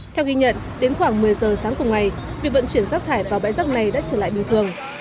theo ghi nhận đến khoảng một mươi giờ sáng cùng ngày việc vận chuyển rác thải vào bãi rác này đã trở lại bình thường